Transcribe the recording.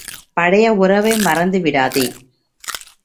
பழைய உறவை மறந்து விடாதே.